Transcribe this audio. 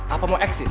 apa mau eksis